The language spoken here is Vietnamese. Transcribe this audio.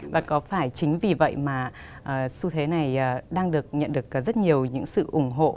và có phải chính vì vậy mà xu thế này đang được nhận được rất nhiều những sự ủng hộ